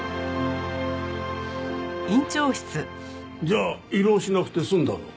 じゃあ胃ろうしなくて済んだの？